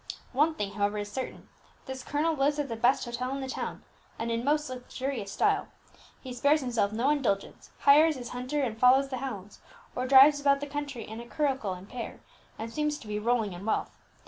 One thing, however, is certain, this colonel lives at the best hotel in the town, and in most luxurious style. He spares himself no indulgence, hires his hunter and follows the hounds, or drives about the country in a curricle and pair, and seems to be rolling in wealth.